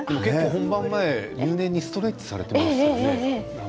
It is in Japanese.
本番前入念にストレッチされていましたね